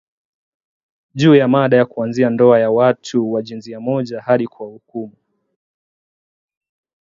juu ya mada kuanzia ndoa za watu wa jinsia moja hadi kuwahukumu